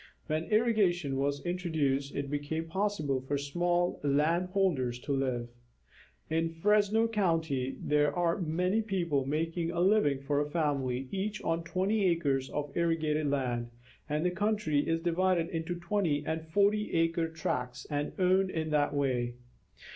When irrigation was introduced it became possible for small land holders to live. In Fresno county, there are many people making a living for a family, each on 20 acres of irrigated land, and the country is divided into 20 and 40 acre tracts and owned in that way.